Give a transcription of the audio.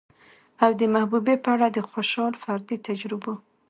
او د محبوبې په اړه د خوشال فردي تجربو